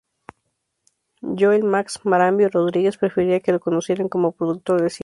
Joel Max Marambio Rodríguez prefería que lo conocieran como productor de cine.